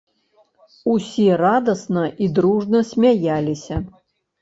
Усе радасна і дружна смяяліся.